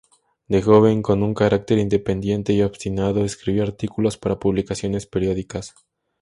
De joven, con un carácter independiente y obstinado, escribía artículos para publicaciones periódicas.